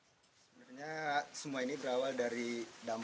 sebenarnya semua ini berawal dari dampak